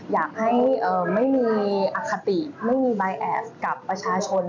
อยากให้ไม่มีอคติไม่มีใบแอบกับประชาชน